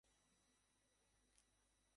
এমনকি ওরা কোনো মানুষ না।